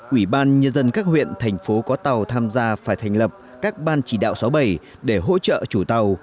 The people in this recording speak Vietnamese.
ủy ban nhân dân các huyện thành phố có tàu tham gia phải thành lập các ban chỉ đạo sáu mươi bảy để hỗ trợ chủ tàu